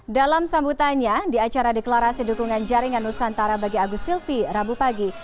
dalam sambutannya di acara deklarasi dukungan jaringan nusantara bagi agus silvi rabu pagi